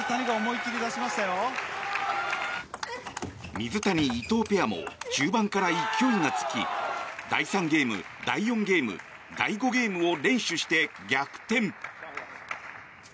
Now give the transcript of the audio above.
水谷、伊藤ペアも中盤から勢いがつき第３ゲーム、第４ゲーム第５ゲームを連取して逆転。